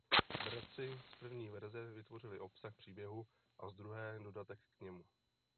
Bratři z první verze vytvořili obsah příběhu a z druhé dodatek k němu.